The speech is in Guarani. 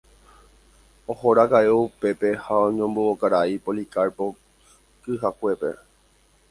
Ohóraka'e upépe ha oñemombo karai Policarpo kyhakuépe